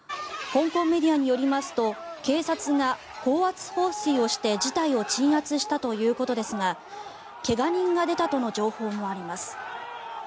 香港メディアによりますと警察が高圧放水をして事態を鎮圧したということですが怪我人が出たとの情報もあります。